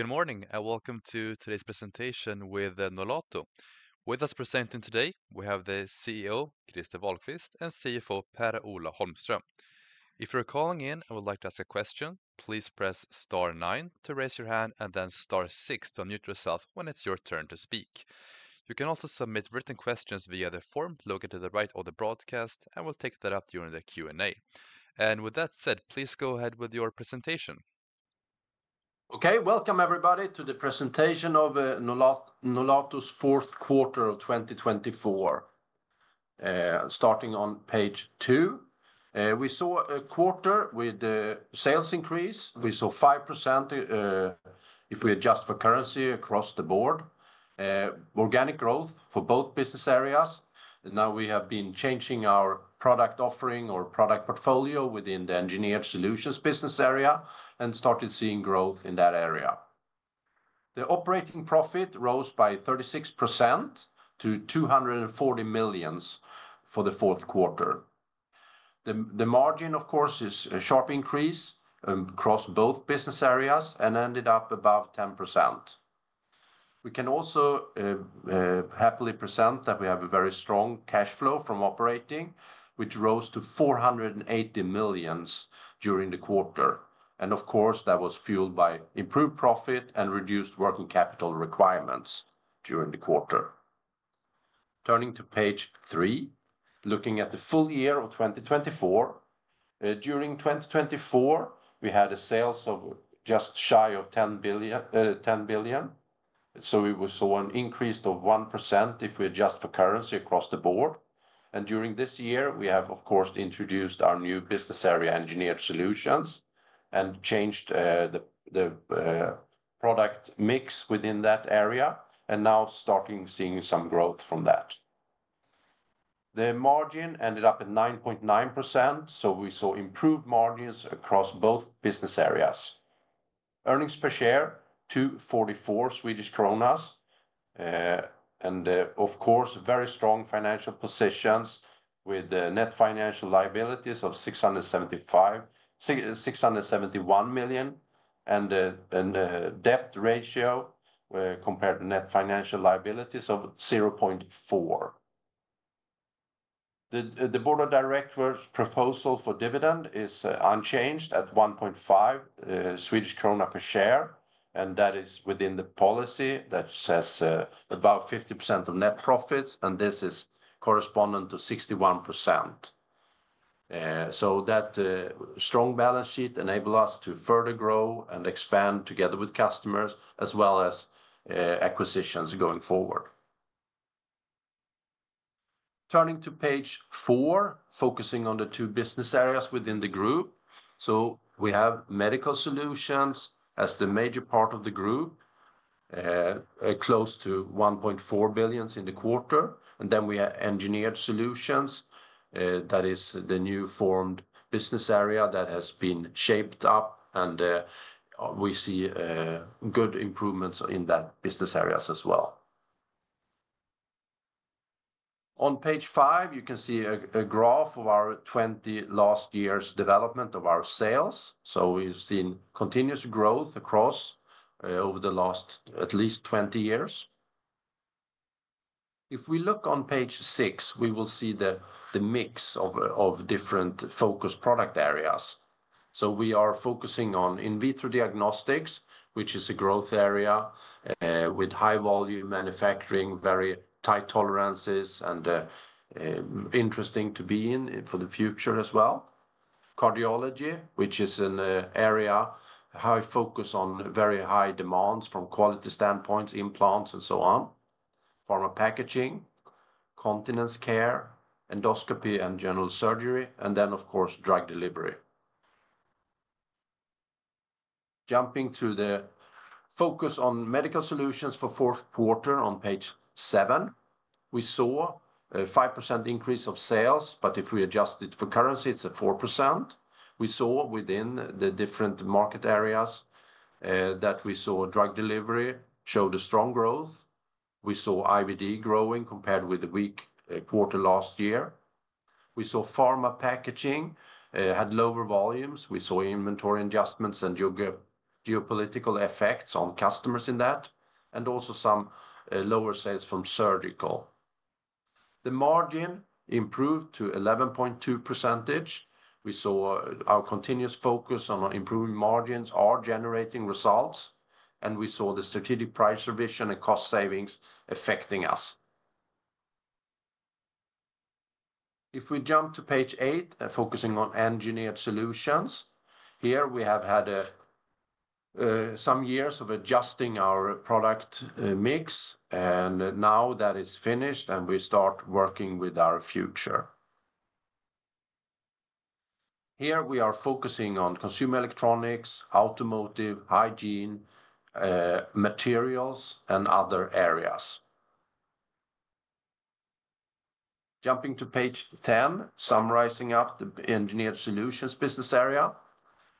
Good morning and welcome to today's presentation with Nolato. With us presenting today, we have the CEO, Christer Wahlquist, and CFO, Per-Ola Holmström. If you're calling in and would like to ask a question, please press star nine to raise your hand and then star six to unmute yourself when it's your turn to speak. You can also submit written questions via the form located to the right of the broadcast, and we'll take that up during the Q&A. And with that said, please go ahead with your presentation. Okay, welcome everybody to the presentation of Nolato's Fourth Quarter of 2024. Starting on Page 2, we saw a quarter with a sales increase. We saw 5% if we adjust for currency across the board, organic growth for both business areas. Now we have been changing our product offering or product portfolio within the Engineered Solutions business area and started seeing growth in that area. The operating profit rose by 36% to 240 million for the fourth quarter. The margin, of course, is a sharp increase across both business areas and ended up above 10%. We can also happily present that we have a very strong cash flow from operating, which rose to 480 million during the quarter. And of course, that was fueled by improved profit and reduced working capital requirements during the quarter. Turning to Page 3, looking at the full year of 2024. During 2024, we had sales of just shy of 10 billion. We saw an increase of 1% if we adjust for currency across the board. During this year, we have, of course, introduced our new business area Engineered Solutions and changed the product mix within that area, and now starting seeing some growth from that. The margin ended up at 9.9%, so we saw improved margins across both business areas. Earnings per share 244 Swedish kronor, and of course very strong financial positions with net financial liabilities of 671 million and a debt ratio compared to net financial liabilities of 0.4. The board of directors' proposal for dividend is unchanged at 1.5 Swedish krona per share, and that is within the policy that says about 50% of net profits, and this is corresponding to 61%. That strong balance sheet enables us to further grow and expand together with customers as well as acquisitions going forward. Turning to Page 4, focusing on the two business areas within the group. We have Medical Solutions as the major part of the group, close to 1.4 billion in the quarter. Then we have Engineered Solutions. That is the new formed business area that has been shaped up, and we see good improvements in that business area as well. On Page 5, you can see a graph of our 20 last years' development of our sales. We've seen continuous growth across over the last at least 20 years. If we look on Page 6, we will see the mix of different focus product areas. We are focusing on In Vitro Diagnostics, which is a growth area with high volume manufacturing, very tight tolerances, and interesting to be in for the future as well. Cardiology, which is an area high focus on very high demands from quality standpoints, implants, and so on. Pharma Packaging, Continence Care, Endoscopy, and General Surgery, and then of course, Drug Delivery. Jumping to the focus on Medical Solutions for fourth quarter on Page 7, we saw a 5% increase of sales, but if we adjust it for currency, it's a 4%. We saw within the different market areas that we saw Drug Delivery showed a strong growth. We saw IVD growing compared with the weak quarter last year. We saw Pharma Packaging had lower volumes. We saw inventory adjustments and geopolitical effects on customers in that, and also some lower sales from Surgical. The margin improved to 11.2%. We saw our continuous focus on improving margins are generating results, and we saw the strategic price revision and cost savings affecting us. If we jump to Page 8, focusing on Engineered Solutions, here we have had some years of adjusting our product mix, and now that is finished and we start working with our future. Here we are focusing on Consumer Electronics, Automotive, Hygiene, Materials, and other areas. Jumping to Page 10, summarizing up the Engineered Solutions business area,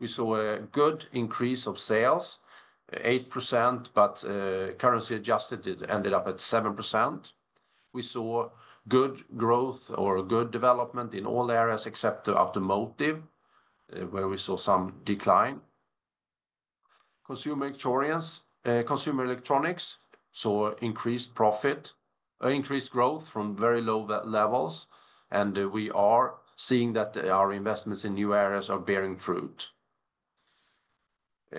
we saw a good increase of sales, 8%, but currency adjusted it ended up at 7%. We saw good growth or good development in all areas except Automotive, where we saw some decline. Consumer Electronics saw increased growth from very low levels, and we are seeing that our investments in new areas are bearing fruit.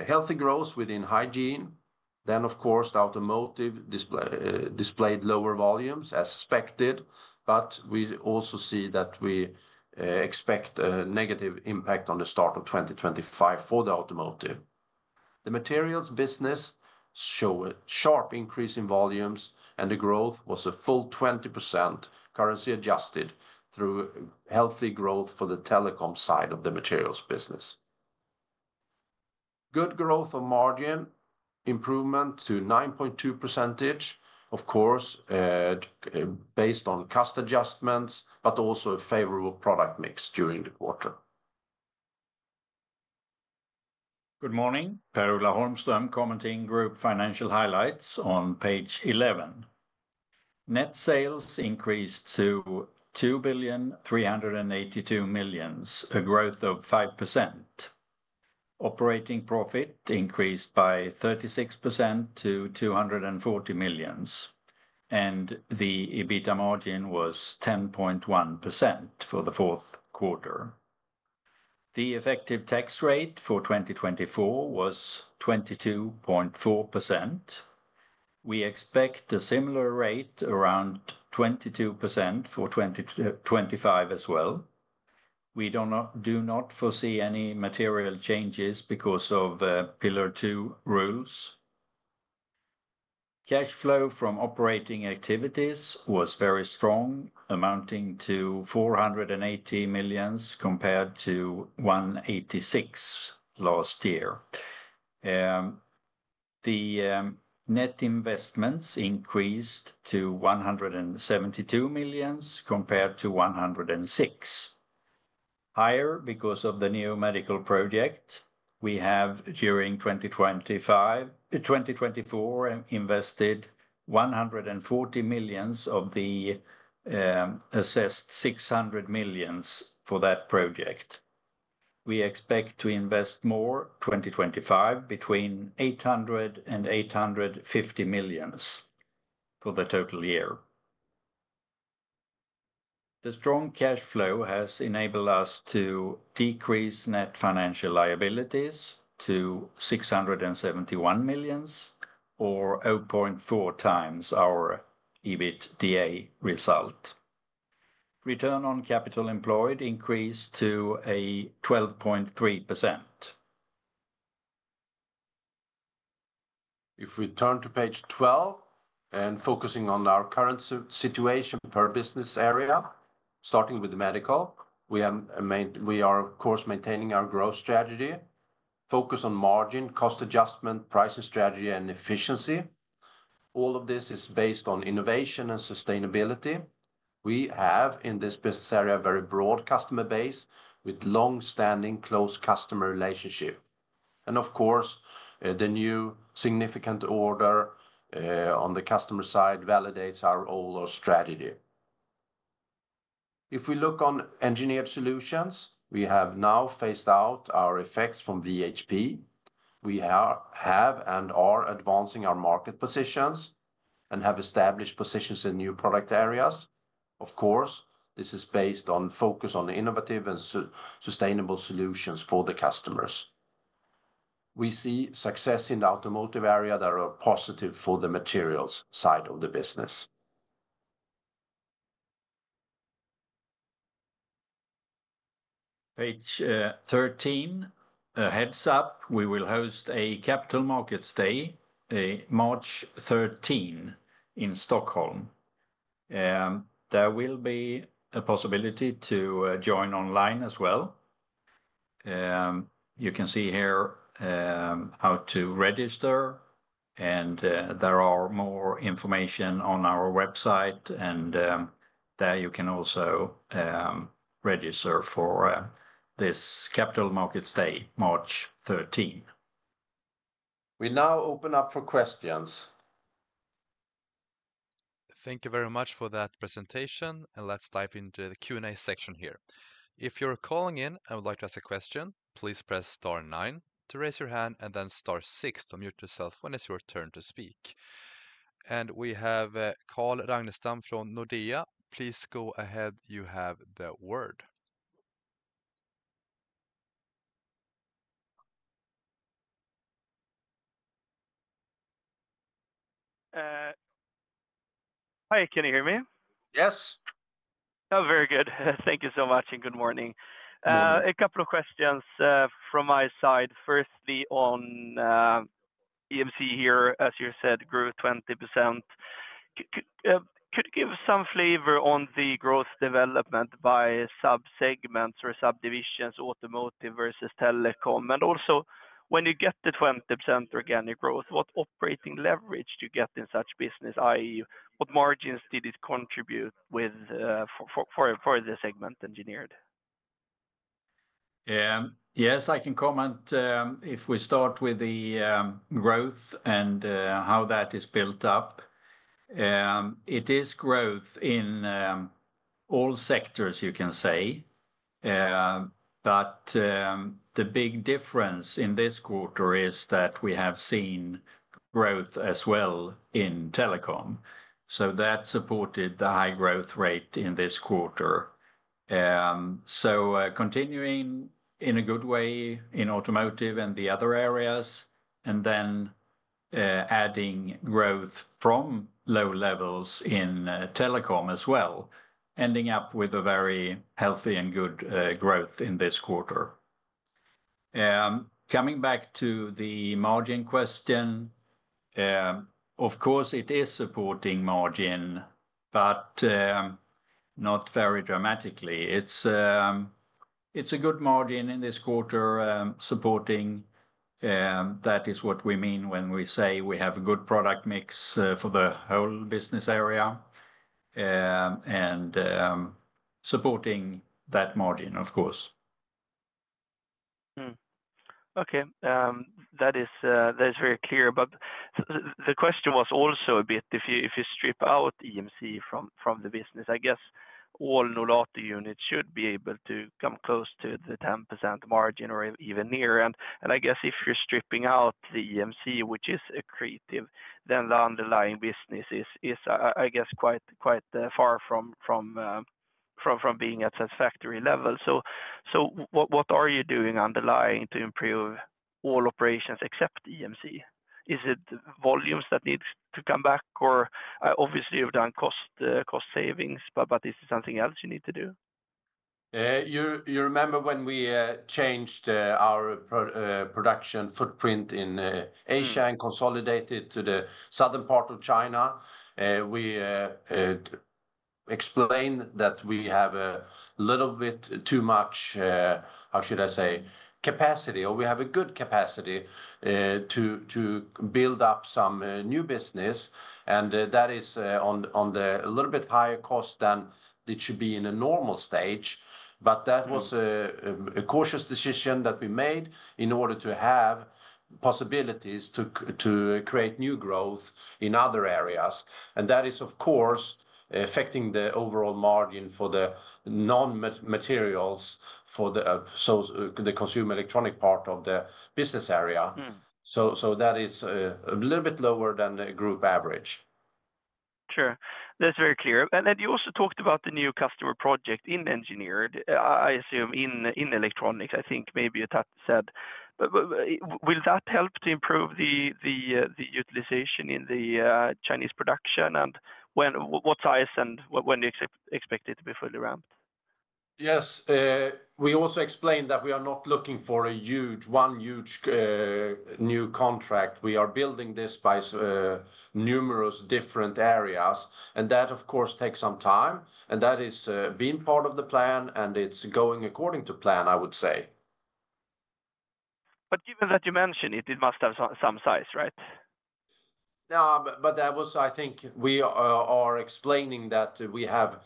Healthy growth within Hygiene. Then, of course, Automotive displayed lower volumes as expected, but we also see that we expect a negative impact on the start of 2025 for the Automotive. The materials business showed a sharp increase in volumes, and the growth was a full 20%, currency adjusted through healthy growth for the Telecom side of the materials business. Good growth of margin, improvement to 9.2%, of course, based on cost adjustments, but also a favorable product mix during the quarter. Good morning, Per-Ola Holmström commenting Group Financial Highlights on Page 11. Net sales increased to 2,382 million, a growth of 5%. Operating profit increased by 36% to 240 million, and the EBITDA margin was 10.1% for the fourth quarter. The effective tax rate for 2024 was 22.4%. We expect a similar rate, around 22% for 2025 as well. We do not foresee any material changes because of Pillar Two rules. Cash flow from operating activities was very strong, amounting to 480 million compared to 186 million last year. The net investments increased to 172 million compared to 106 million. Higher because of the new medical project we have during 2024, invested 140 million of the assessed 600 million for that project. We expect to invest more 2025, between 800 million and 850 million for the total year. The strong cash flow has enabled us to decrease net financial liabilities to 671 million, or 0.4 times our EBITDA result. Return on capital employed increased to 12.3%. If we turn to Page 12 and focusing on our current situation per business area, starting with the medical, we are, of course, maintaining our growth strategy, focus on margin, cost adjustment, pricing strategy, and efficiency. All of this is based on innovation and sustainability. We have in this business area a very broad customer base with long-standing close customer relationship. And of course, the new significant order on the customer side validates our overall strategy. If we look on Engineered Solutions, we have now phased out our effects from VHP. We have and are advancing our market positions and have established positions in new product areas. Of course, this is based on focus on innovative and sustainable solutions for the customers. We see success in the Automotive area that are positive for the Materials side of the business. Page 13. Heads up, we will host a Capital Markets Day March 13 in Stockholm. There will be a possibility to join online as well. You can see here how to register, and there are more information on our website, and there you can also register for this Capital Markets Day March 13. We now open up for questions. Thank you very much for that presentation, and let's dive into the Q&A section here. If you're calling in and would like to ask a question, please press star nine to raise your hand and then star six to unmute yourself when it's your turn to speak. And we have Carl Ragnerstam from Nordea. Please go ahead, you have the word. Hi, can you hear me? Yes. Very good. Thank you so much and good morning. A couple of questions from my side. Firstly on EMC here, as you said, grew 20%. Could you give some flavor on the growth development by subsegments or subdivisions, automotive versus telecom, and also when you get the 20% organic growth, what operating leverage do you get in such business? What margins did it contribute with for the segment engineered? Yes, I can comment. If we start with the growth and how that is built up, it is growth in all sectors, you can say. But the big difference in this quarter is that we have seen growth as well in telecom. So that supported the high growth rate in this quarter. So continuing in a good way in automotive and the other areas, and then adding growth from low levels in telecom as well, ending up with a very healthy and good growth in this quarter. Coming back to the margin question, of course, it is supporting margin, but not very dramatically. It's a good margin in this quarter supporting. That is what we mean when we say we have a good product mix for the whole business area and supporting that margin, of course. Okay, that is very clear. But the question was also a bit, if you strip out EMC from the business, I guess all Nolato units should be able to come close to the 10% margin or even near. And I guess if you're stripping out the EMC, which is accretive, then the underlying business is, I guess, quite far from being at satisfactory level. So what are you doing underlying to improve all operations except EMC? Is it volumes that need to come back, or obviously you've done cost savings, but is it something else you need to do? You remember when we changed our production footprint in Asia and consolidated to the southern part of China. We explained that we have a little bit too much, how should I say, capacity, or we have a good capacity to build up some new business, and that is on a little bit higher cost than it should be in a normal stage. But that was a cautious decision that we made in order to have possibilities to create new growth in other areas. And that is, of course, affecting the overall margin for the non-Materials, so the Consumer Electronics part of the business area. So that is a little bit lower than the group average. Sure, that's very clear. And then you also talked about the new customer project in engineered, I assume, in electronics. I think maybe you said, will that help to improve the utilization in the Chinese production? And what size and when do you expect it to be fully ramped? Yes, we also explained that we are not looking for a huge new contract. We are building this by numerous different areas, and that, of course, takes some time, and that has been part of the plan, and it's going according to plan, I would say. But given that you mentioned it, it must have some size, right? No, but that was, I think, we are explaining that we have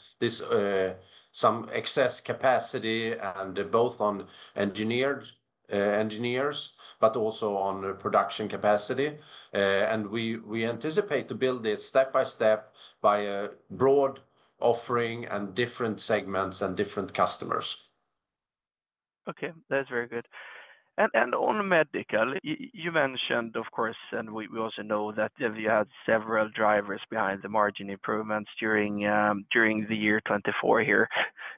some excess capacity and both on Engineered, but also on production capacity, and we anticipate to build it step by step by a broad offering and different segments and different customers. Okay, that's very good. And on medical, you mentioned, of course, and we also know that you had several drivers behind the margin improvements during the year 2024 here.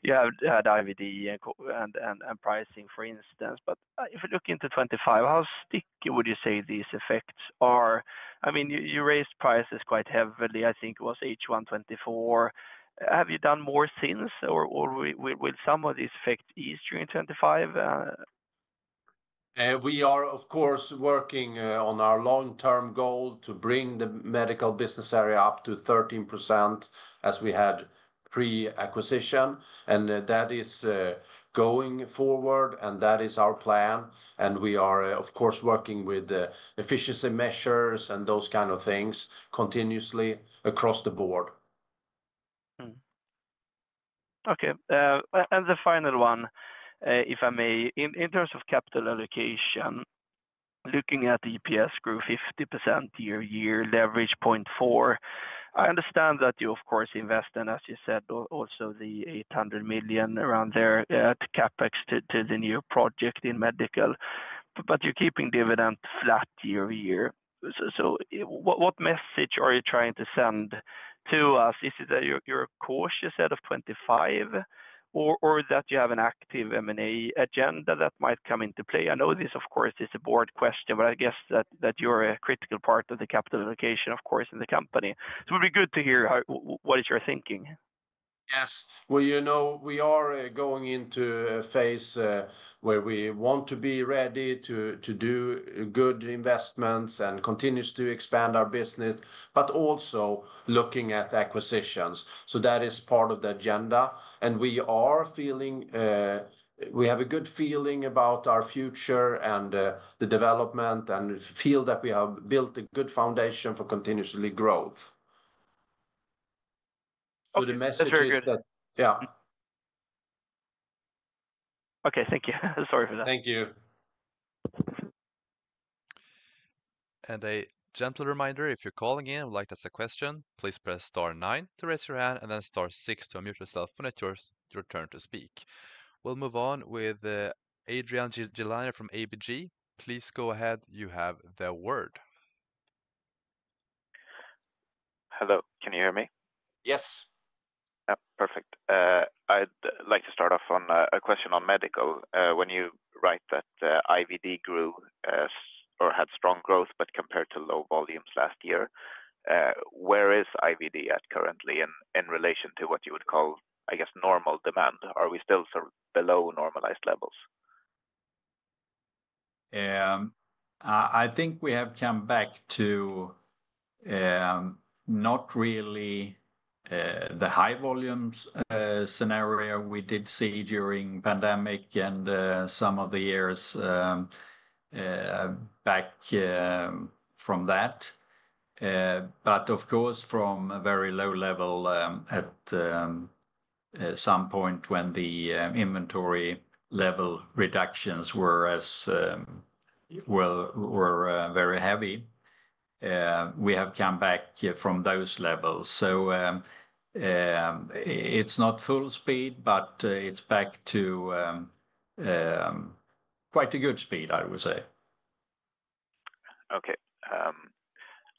You had IVD and pricing, for instance. But if we look into 2025, how sticky would you say these effects are? I mean, you raised prices quite heavily, I think it was H1 2024. Have you done more since, or will some of these effects ease during 2025? We are, of course, working on our long-term goal to bring the medical business area up to 13% as we had pre-acquisition, and that is going forward, and that is our plan, and we are, of course, working with efficiency measures and those kinds of things continuously across the board. Okay, and the final one, if I may, in terms of capital allocation, looking at EPS grew 50% year-over-year, leverage 0.4. I understand that you, of course, invest in, as you said, also the 800 million around there at CapEx to the new project in medical, but you're keeping dividend flat year-over-year. So what message are you trying to send to us? Is it that you're cautious out of 25, or that you have an active M&A agenda that might come into play? I know this, of course, is a broad question, but I guess that you're a critical part of the capital allocation, of course, in the company. So it would be good to hear what is your thinking. Yes, well, you know, we are going into a phase where we want to be ready to do good investments and continue to expand our business, but also looking at acquisitions. So that is part of the agenda, and we are feeling we have a good feeling about our future and the development and feel that we have built a good foundation for continuous growth. So the message is that, yeah. Okay, thank you. Sorry for that. Thank you. A gentle reminder, if you're calling in and would like to ask a question, please press star nine to raise your hand and then star six to unmute yourself when it's your turn to speak. We'll move on with Adrian Gilani from ABG. Please go ahead, you have the word. Hello, can you hear me? Yes. Perfect. I'd like to start off on a question on medical. When you write that IVD grew or had strong growth, but compared to low volumes last year, where is IVD at currently in relation to what you would call, I guess, normal demand? Are we still sort of below normalized levels? I think we have come back to not really the high volumes scenario we did see during the pandemic and some of the years back from that. But of course, from a very low level at some point when the inventory level reductions were very heavy, we have come back from those levels. So it's not full speed, but it's back to quite a good speed, I would say. Okay,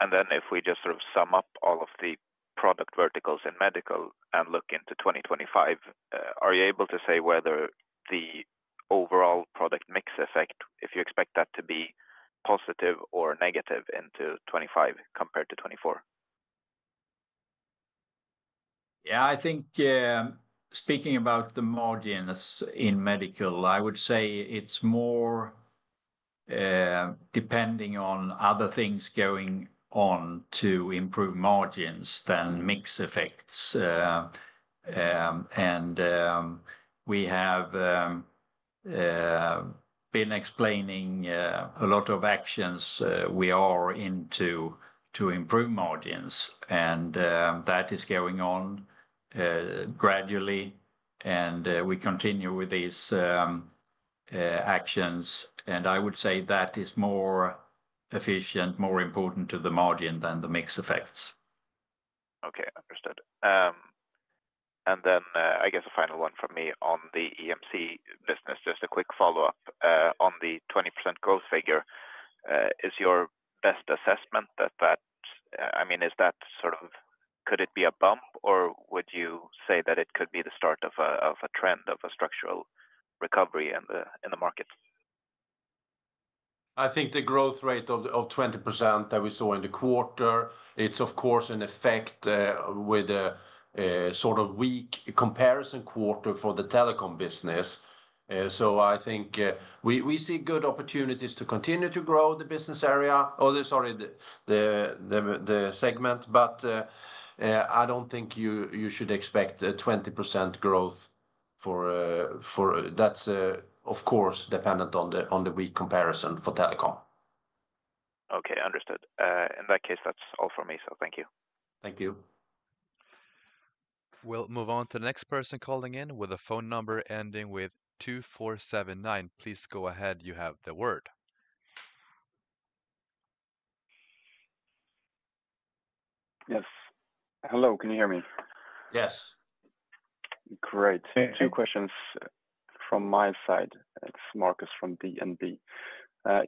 and then if we just sort of sum up all of the product verticals in medical and look into 2025, are you able to say whether the overall product mix effect, if you expect that to be positive or negative into 2025 compared to 2024? Yeah, I think speaking about the margins in medical, I would say it's more depending on other things going on to improve margins than mix effects. And we have been explaining a lot of actions we are into to improve margins, and that is going on gradually, and we continue with these actions. And I would say that is more efficient, more important to the margin than the mix effects. Okay, understood. And then I guess a final one from me on the EMC business, just a quick follow-up on the 20% growth figure. Is your best assessment that that, I mean, is that sort of, could it be a bump, or would you say that it could be the start of a trend of a structural recovery in the market? I think the growth rate of 20% that we saw in the quarter, it's of course an effect with a sort of weak comparison quarter for the Telecom business. So I think we see good opportunities to continue to grow the business area, sorry, the segment, but I don't think you should expect a 20% growth for that. That's, of course, dependent on the weak comparison for Telecom. Okay, understood. In that case, that's all from me, so thank you. Thank you. We'll move on to the next person calling in with a phone number ending with 2479. Please go ahead, you have the word. Yes. Hello, can you hear me? Yes. Great. Two questions from my side. It's Marcus from DNB.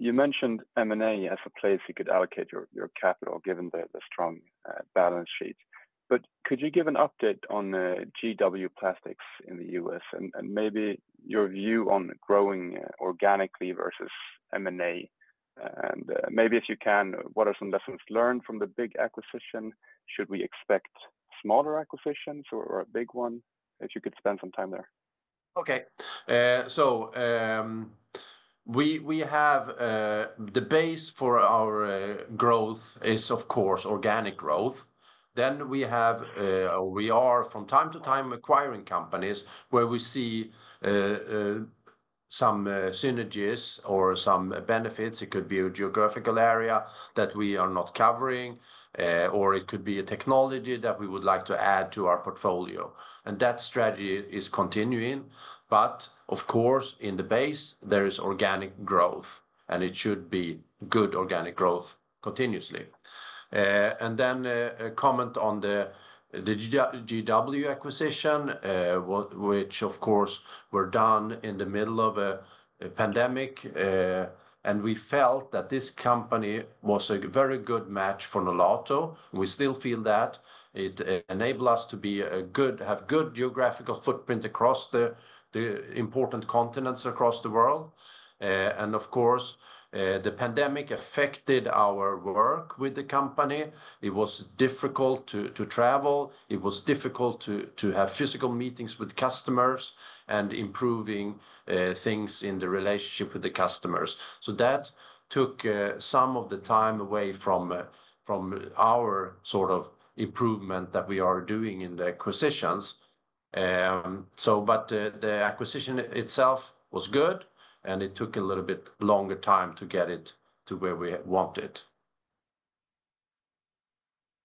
You mentioned M&A as a place you could allocate your capital given the strong balance sheet. But could you give an update on GW Plastics in the U.S. and maybe your view on growing organically versus M&A? And maybe if you can, what are some lessons learned from the big acquisition? Should we expect smaller acquisitions or a big one if you could spend some time there? Okay, so the base for our growth is, of course, organic growth. Then we have, or we are from time to time acquiring companies where we see some synergies or some benefits. It could be a geographical area that we are not covering, or it could be a technology that we would like to add to our portfolio. And that strategy is continuing. But of course, in the base, there is organic growth, and it should be good organic growth continuously. And then a comment on the GW acquisition, which of course were done in the middle of a pandemic, and we felt that this company was a very good match for Nolato. We still feel that it enabled us to have a good geographical footprint across the important continents across the world. And of course, the pandemic affected our work with the company. It was difficult to travel. It was difficult to have physical meetings with customers, and improving things in the relationship with the customers. So that took some of the time away from our sort of improvement that we are doing in the acquisitions. But the acquisition itself was good, and it took a little bit longer time to get it to where we want it.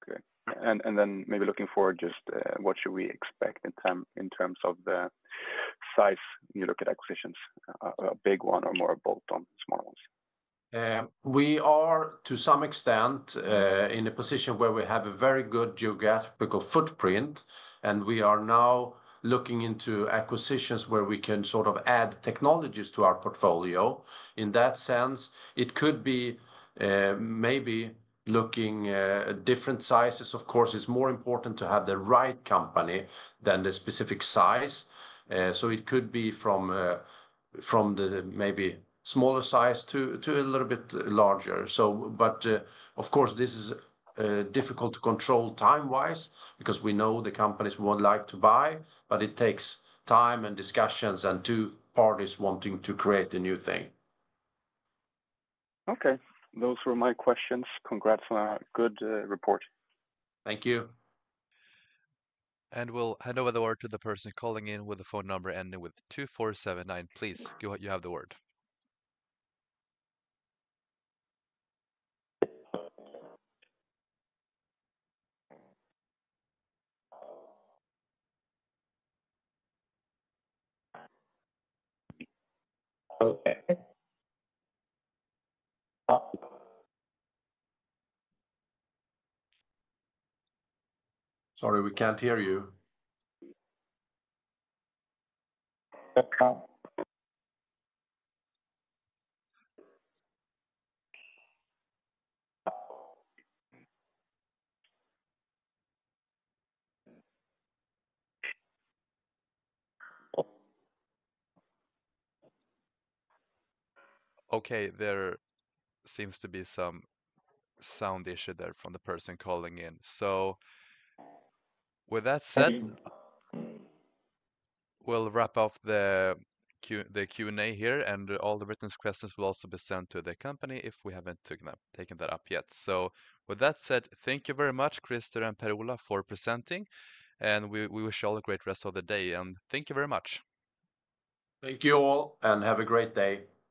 Okay, and then maybe looking forward, just what should we expect in terms of the size when you look at acquisitions, a big one or more a bolt-on smaller ones? We are to some extent in a position where we have a very good geographical footprint, and we are now looking into acquisitions where we can sort of add technologies to our portfolio. In that sense, it could be maybe looking at different sizes. Of course, it's more important to have the right company than the specific size. So it could be from the maybe smaller size to a little bit larger. But of course, this is difficult to control time-wise because we know the companies we would like to buy, but it takes time and discussions and two parties wanting to create a new thing. Okay, those were my questions. Congrats on a good report. Thank you. We'll hand over the word to the person calling in with the phone number ending with 2479. Please go ahead, you have the word. Okay. Sorry, we can't hear you. Okay, there seems to be some sound issue there from the person calling in. So with that said, we'll wrap up the Q&A here, and all the written questions will also be sent to the company if we haven't taken that up yet. So with that said, thank you very much, Christer and Per-Ola, for presenting, and we wish you all a great rest of the day, and thank you very much. Thank you all, and have a great day.